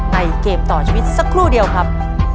เกมต่อชีวิตสักครู่เดียวครับ